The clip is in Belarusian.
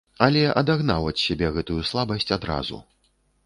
Але адагнаў ад сябе гэтую слабасць адразу.